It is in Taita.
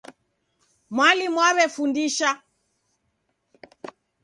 Mwalimu waw'efundisha.